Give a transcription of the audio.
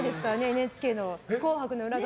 ＮＨＫの「紅白」の裏側。